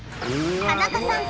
田中さん